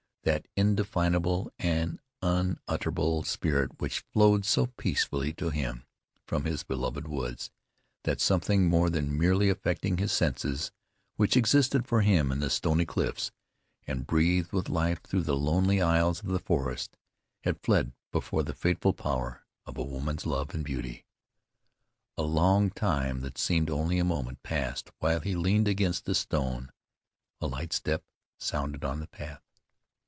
That indefinable and unutterable spirit which flowed so peacefully to him from his beloved woods; that something more than merely affecting his senses, which existed for him in the stony cliffs, and breathed with life through the lonely aisles of the forest, had fled before the fateful power of a woman's love and beauty. A long time that seemed only a moment passed while he leaned against a stone. A light step sounded on the path.